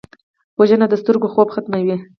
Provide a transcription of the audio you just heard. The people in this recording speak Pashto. وژنه د سترګو خوب ختموي